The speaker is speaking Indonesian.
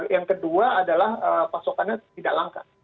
yang kedua adalah pasokannya tidak langka